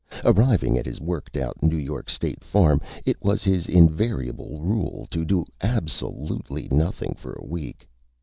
Arriving at his worked out New York State farm, it was his invariable rule to do absolutely nothing for a week.